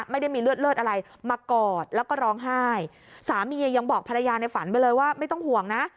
ไม่ได้มีเลือดเลิศอะไรมากอดแล้วก็ร้องไห้สามียังบอกภรรยาในฝันไปเลยว่าไม่ต้องห่วงนะ